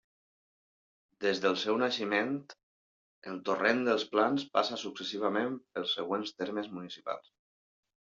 Des del seu naixement, el Torrent dels Plans passa successivament pels següents termes municipals.